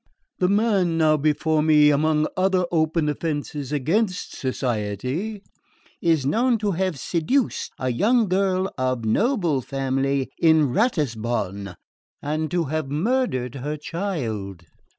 The man now before me, among other open offences against society, is known to have seduced a young girl of noble family in Ratisbon and to have murdered her child.